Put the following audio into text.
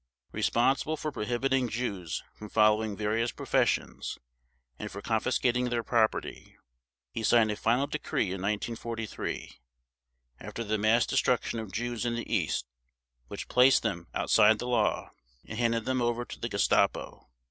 Responsible for prohibiting Jews from following various professions, and for confiscating their property, he signed a final decree in 1943, after the mass destruction of Jews in the East, which placed them "outside the law" and handed them over to the Gestapo.